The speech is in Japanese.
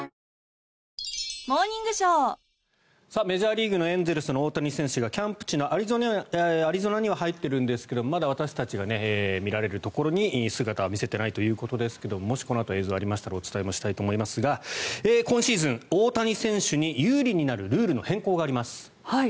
メジャーリーグのエンゼルスの大谷選手がキャンプ地のアリゾナには入っているんですがまだ私たちが見られるところに姿は見せていないということですけどもしこのあと映像がありましたらお伝えしたいと思いますが今シーズン、大谷選手に有利になるルールの変更があります。